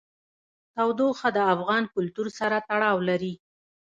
تودوخه د افغان کلتور سره تړاو لري.